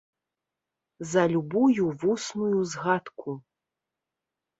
За любую вусную згадку!